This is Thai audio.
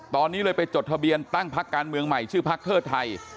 ตอนนี้เลยไปจดทะเบียนตั้งพักการเมืองใหม่ชื่อพักเทิดไทย